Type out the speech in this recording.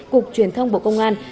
cục truyền thông bộ công an